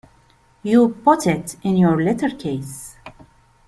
You put it in your letter-case.